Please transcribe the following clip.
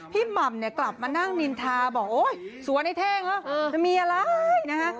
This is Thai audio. หม่ำเนี่ยกลับมานั่งนินทาบอกโอ๊ยสวนไอ้เท่งเหรอจะมีอะไรนะฮะ